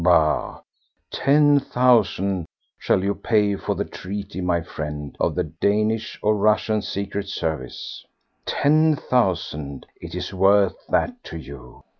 Bah! Ten thousand shall you pay for the treaty, my friend of the Danish or Russian Secret Service! Ten thousand!—it is worth that to you!